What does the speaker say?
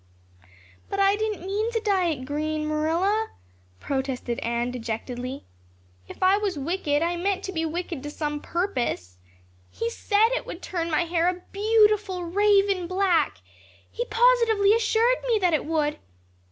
"But I didn't mean to dye it green, Marilla," protested Anne dejectedly. "If I was wicked I meant to be wicked to some purpose. He said it would turn my hair a beautiful raven black he positively assured me that it would.